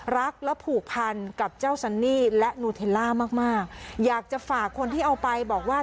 รักและผูกพันกับเจ้าซันนี่และนูเทลล่ามากมากอยากจะฝากคนที่เอาไปบอกว่า